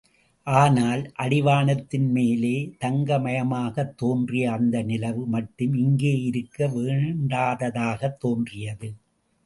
ஆனால், அடிவானத்தின் மேலே தங்க மயமாகத் தோன்றிய அந்த நிலவு மட்டும் இங்கே இருக்க வேண்டாததாகத் தோன்றியது.